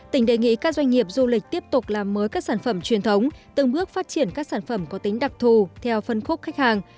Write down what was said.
tỉnh đề nghị các doanh nghiệp du lịch tiếp tục làm mới các sản phẩm truyền thống từng bước phát triển các sản phẩm có tính đặc thù theo phân khúc khách hàng